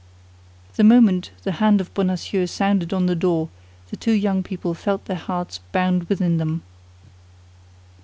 The moment the hand of Bonacieux sounded on the door, the two young people felt their hearts bound within them.